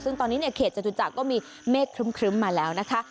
ซึ่งตอนนี้เขตจตุธักต์ก็มีเมคคลึมมาแล้วนะคะ